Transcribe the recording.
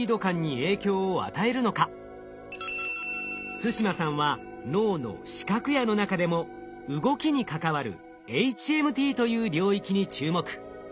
對馬さんは脳の視覚野の中でも動きに関わるｈＭＴという領域に注目。